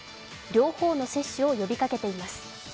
両方の接種を呼びかけています。